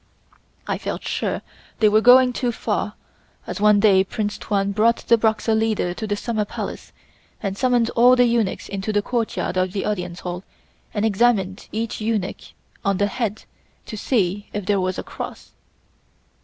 I felt sure they were going too far as one day Prince Tuan brought the Boxer leader to the Summer Palace and summoned all the eunuchs into the courtyard of the Audience Hall and examined each eunuch on the head to see if there was a cross.